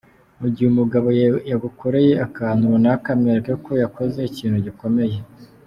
Mu gihe umugabo yagukoreye akantu runaka mwereke ko yakoze ikintu gikomeye.